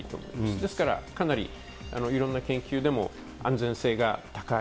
ですから、かなりいろんな研究でも安全性が高い。